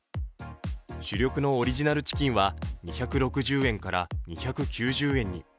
主力のオリジナルチキンは２６０円から２９０円に。